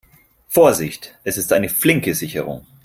Vorsichtig, es ist eine flinke Sicherung.